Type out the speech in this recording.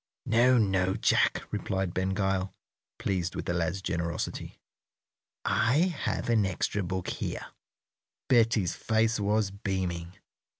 "No, no, Jack," replied Ben Gile, pleased with the lad's generosity. "I have an extra book here." Betty's face was beaming.